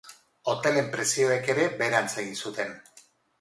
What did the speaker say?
Hotelen prezioek ere beherantz egin zuten.